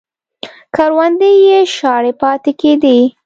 کروندې یې شاړې پاتې کېدې